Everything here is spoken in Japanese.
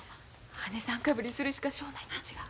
姉さんかぶりするしかしょうないんと違う？